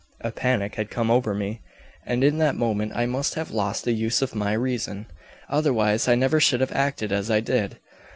"A panic had come over me, and in that moment I must have lost the use of my reason, otherwise I never should have acted as I did.